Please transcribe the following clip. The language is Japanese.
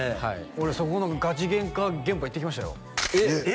俺そこのガチゲンカ現場行ってきましたよえっ？